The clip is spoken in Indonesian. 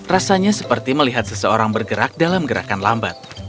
rasanya seperti melihat seseorang bergerak dalam gerakan lambat